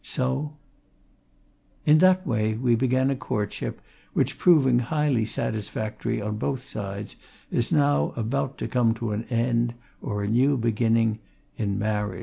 So " In that way we began a courtship which, proving highly satisfactory on both sides, is now about to come to an end or a new beginning in marriage.